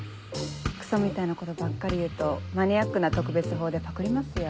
クソみたいなことばっかり言うとマニアックな特別法でパクりますよ。